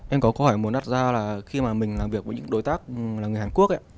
em có câu hỏi muốn đặt ra là khi mà mình làm việc với những đối tác là người hàn quốc